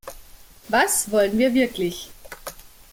Was wollen wir wirklich?